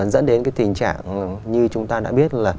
dẫn đến cái tình trạng như chúng ta đã biết là